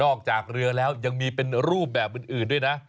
จากเรือแล้วยังมีเป็นรูปแบบอื่นด้วยนะ